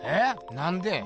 なんで？